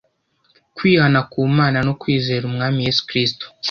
kwihana ku mana no kwizera umwami yesu kristo